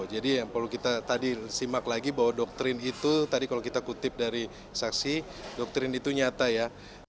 jadi kalau kita tadi simak lagi bahwa doktrin itu tadi kalau kita kutip dari saksi doktrin itu nyata ya